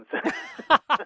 ハハハハ！